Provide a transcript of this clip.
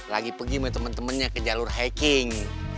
lagi pergi sama temen temennya ke jalur hiking